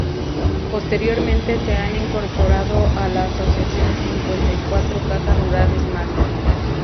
Posteriormente se han incorporado a la asociación cincuenta y cuatro Cajas Rurales más.